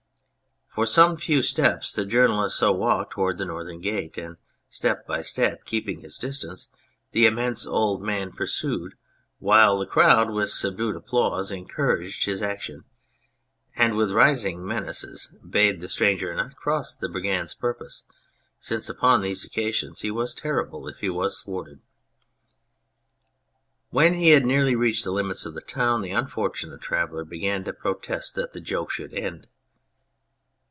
For some few steps the journalist so walked toward the northern gate, and step by step, keeping his distance, the immense old man pursued, while the crowd with subdued applause, encouraged his action, and with rising menaces bade the stranger not cross the Brigand's purpose, since upon these occasions he was terrible if he was thwarted. When he had nearly reached the limits of the town the unfortunate traveller began to protest that the joke should end.